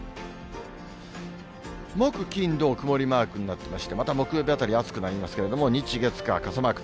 木、金、土、曇りマークになってまして、また木曜日あたり、暑くなりますけど、日、月、火、傘マーク。